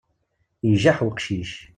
Ijaḥ uqcic.